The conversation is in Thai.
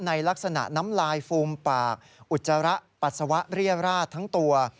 ในลักษณะน้ำลายฟูมปากอุจจาระปัสสาวะเรียราชทั้งตัว